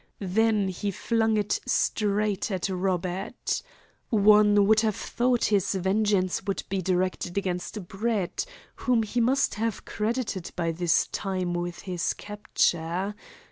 Then he flung it straight at Robert. One would have thought his vengeance would be directed against Brett, whom he must have credited by this time with his capture.